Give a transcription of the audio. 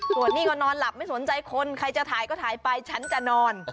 ตัวนี้ก็นอนหลับไม่สนใจคน